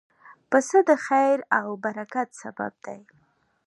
پسه د خیر او برکت سبب دی.